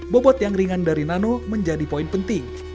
bobot yang ringan dari nano menjadi poin penting